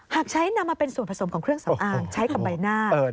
หากใช้นำมาเป็นส่วนผสมของเครื่องสำอางใช้กับใบหน้า